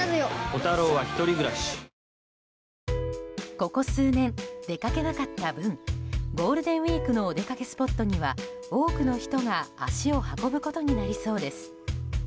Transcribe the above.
ここ数年、出かけなかった分ゴールデンウィークのお出かけスポットには多くの人が足を運ぶことになりそうです。